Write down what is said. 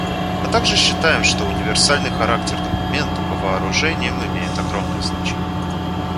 Мы также считаем, что универсальный характер документа по вооружениям имеет огромное значение.